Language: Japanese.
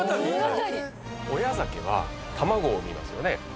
親鮭は卵を産みますよね。